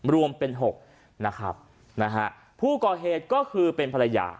รวมเป็นหกนะครับนะฮะผู้ก่อเหตุก็คือเป็นภรรยา